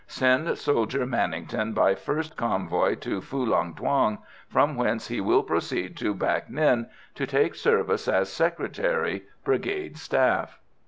Send soldier Manington by first convoy to Phulang Thuong, from whence he will proceed to Bac Ninh to take service as secretary, Brigade Staff.